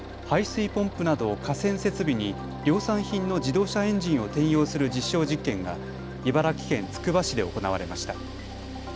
排水ポンプなど河川設備に量産品の自動車エンジンを転用する実証実験が茨城県つくば市で行われました。